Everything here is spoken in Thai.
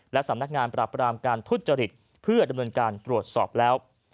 และสำนักงานปราบรามการทุจริตเพื่อดำเนินการตรวจสอบแล้ว